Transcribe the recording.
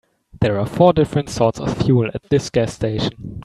There are four different sorts of fuel at this gas station.